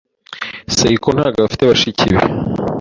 Seiko ntabwo afite bashiki be.